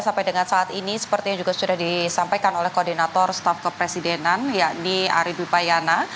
sampai dengan saat ini seperti yang juga sudah disampaikan oleh koordinator staff kepresidenan yadani aridu payana